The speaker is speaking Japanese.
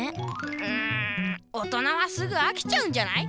うん大人はすぐあきちゃうんじゃない？